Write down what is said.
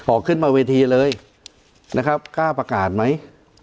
ขึ้นมาเวทีเลยนะครับกล้าประกาศไหม